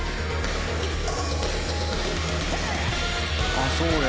「ああそうや。